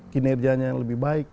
kinerjanya lebih baik